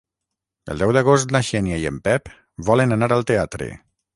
El deu d'agost na Xènia i en Pep volen anar al teatre.